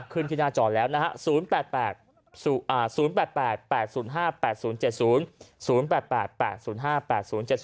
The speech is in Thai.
ขึ้นที่หน้าจอดแล้วนะฮะ๐๘๘๘๐๕๘๐๗๐